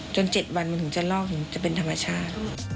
๗วันมันถึงจะลอกถึงจะเป็นธรรมชาติ